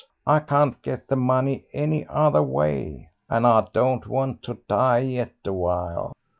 I can't get the money any other way; and I don't want to die yet awhile.